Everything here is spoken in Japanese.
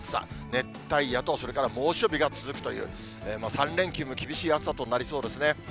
熱帯夜と、それから猛暑日が続くという、３連休も厳しい暑さとなりそうですね。